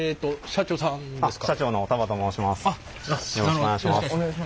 社長の多葉と申します。